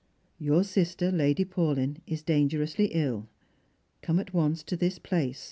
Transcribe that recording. " Tour sister, Lady Paulyn, is dangerously ill. Come at once to this place.